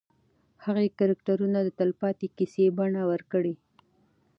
هغې کرکټرونه د تلپاتې کیسې بڼه ورکړه.